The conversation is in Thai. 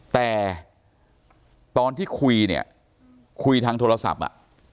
แต่ตอนที่คุยเนี่ยคุยทางโทรศัพท์อ่ะ